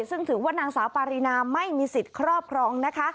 ซึ่งถือว่านางสาวปารีนาไม่มีสิทธิ์ครอบครองนะคะ